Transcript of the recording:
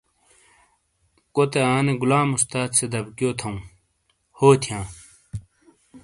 کوتے آ نے غلام استاد سے دبیکیو تھووں ہو تھیاں۔